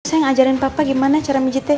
sayang ajarin papa gimana cara mijitnya